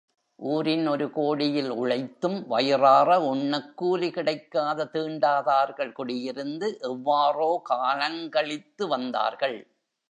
ஊரின் ஒரு கோடியில் உழைத்தும், வயிறாற உண்ண கூலி கிடைக்காத தீண்டாதார்கள் குடியிருந்து, எவ்வாறோ காலங்கழித்து வந்தார்கள்.